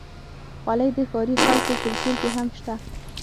خولۍ د ښاري خلکو کلتور کې هم شته.